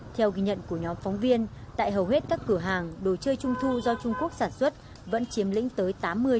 theo ghi nhận của nhóm phóng viên tại hầu hết các cửa hàng đồ chơi trung thu do trung quốc sản xuất vẫn chiếm lĩnh tới tám mươi